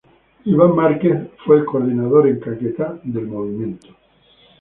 Ivan Márquez fue el coordinador en Caquetá del movimiento.